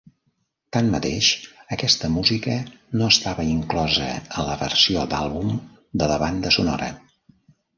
Tanmateix, aquesta música no estava inclosa a la versió d'àlbum de la banda sonora.